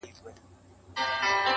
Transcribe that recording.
o دغه ساغر هغه ساغر هره ورځ نارې وهي.